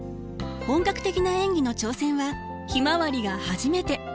本格的な演技の挑戦は「ひまわり」が初めて。